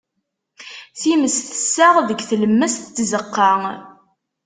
Times tessaɣ deg tlemmast n tzeqqa.